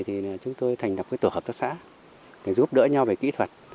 thì chúng tôi thành lập tổ hợp tác xã để giúp đỡ nhau về kỹ thuật